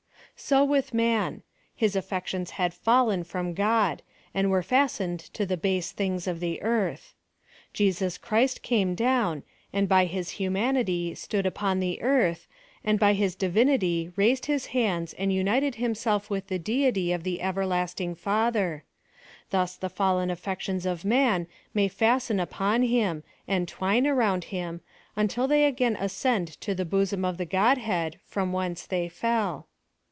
So with man — his affections had fallen from God, and were fastened to the base thinsfs of the earth. Jesus Christ came down, and by his humanity stood upon the earth, and by his divinity raised his hands and uiiited limisel/ with the Deity of the everlasting Father: thus the fallen affections of man may fasten upon him, and twine around him, until they again ascend to the bosom of the Godhead, from whence they fell.